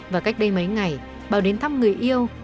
và cách đây mấy ngày bà đến thăm người yêu